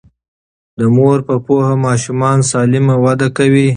د مور په پوهه ماشومان سالم وده کوي.